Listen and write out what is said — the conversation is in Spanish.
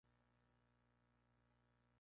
El origen del castillo es controvertido.